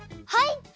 はい！